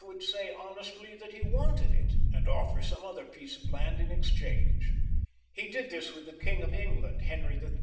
would say honestly that he wanted it, and offer some other piece of land in exchange. He did this with the King of England, Henry III.